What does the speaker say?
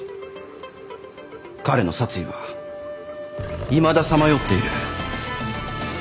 彼の殺意はいまださまよっている。